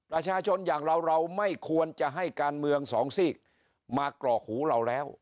ประชาชนอย่างเราเราไม่ควรจะให้การเมืองสองซีกมากรอกหูเราแล้ว